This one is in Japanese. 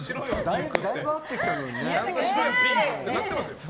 だんだん合ってきたのにね。